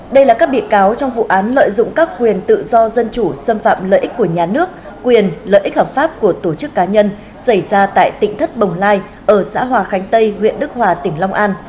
đây là các bị cáo trong vụ án lợi dụng các quyền tự do dân chủ xâm phạm lợi ích của nhà nước quyền lợi ích hợp pháp của tổ chức cá nhân xảy ra tại tỉnh thất bồng lai ở xã hòa khánh tây huyện đức hòa tỉnh long an